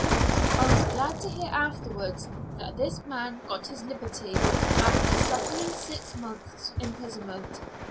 I was glad to hear afterwards that this man got his liberty after suffering six months' imprisonment.